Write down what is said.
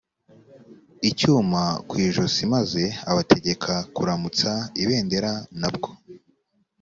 icyuma ku ijosi maze abategeka kuramutsa ibendera nabwo